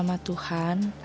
supaya kamu jatuhkan diri ya